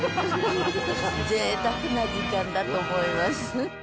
ぜいたくな時間だと思います。